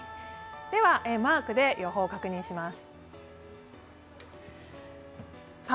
ではマークで予報を確認します。